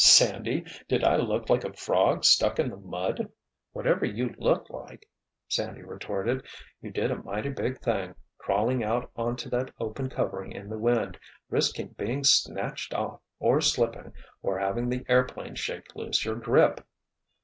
"Sandy, did I look like a frog stuck in the mud?" "Whatever you looked like," Sandy retorted, "you did a mighty big thing, crawling out onto that open covering in the wind, risking being snatched off or slipping, or having the airplane shake loose your grip!"